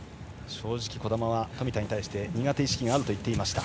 正直、児玉は冨田に対し苦手意識があるといっていました。